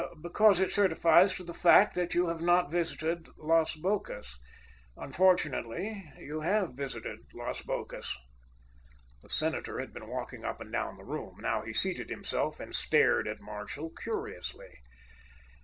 "Because it certifies to the fact that you have not visited Las Bocas. Unfortunately, you have visited Las Bocas." The senator had been walking up and down the room. Now he seated himself, and stared at Marshall curiously.